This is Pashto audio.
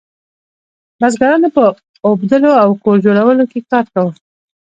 بزګرانو په اوبدلو او کور جوړولو کې کار کاوه.